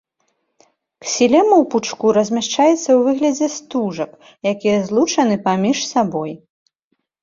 Ксілема ў пучку размяшчаецца ў выглядзе стужак, якія злучаны паміж сабой.